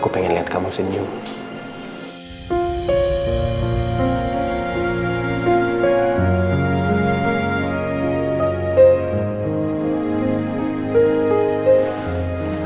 aku pengen lihat kamu senyum